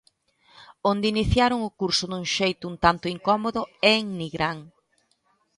Onde iniciaron o curso dun xeito un tanto incómodo é en Nigrán.